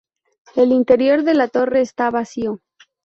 El interior de la torre está vacío.